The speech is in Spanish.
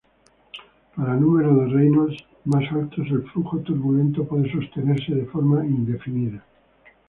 Para números de Reynolds más altos el flujo turbulento puede sostenerse de forma indefinida.